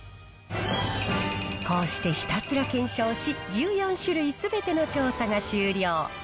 こうしてひたすら検証し、１４種類すべての調査が終了。